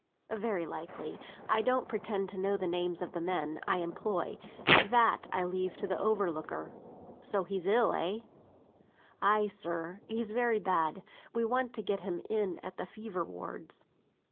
"Very likely; I don't pretend to know the names of the men I employ; that I leave to the overlooker. So he's ill, eh?" "Ay, sir, he's very bad; we want to get him in at the fever wards.